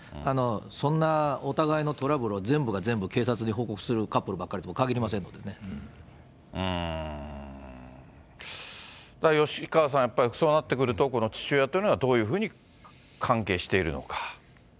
そんなお互いのトラブルを全部が全部警察に報告するカップルばか吉川さん、やっぱりそうなってくると、この父親というのがどういうふうに関係しているのか。